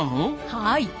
はい。